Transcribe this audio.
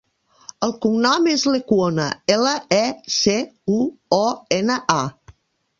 El cognom és Lecuona: ela, e, ce, u, o, ena, a.